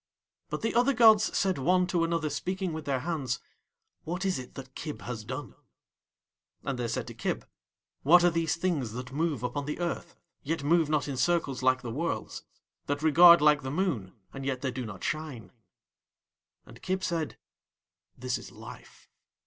But the other gods said one to another, speaking with their hands: "What is it that Kib has done?" And They said to Kib: "What are these things that move upon The Earth yet move not in circles like the Worlds, that regard like the Moon and yet they do not shine?" And Kib said: "This is Life."